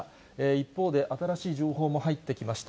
一方で、新しい情報も入ってきました。